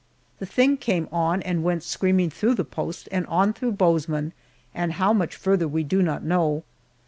The thing came on and went screaming through the post and on through Bozeman, and how much farther we do not know.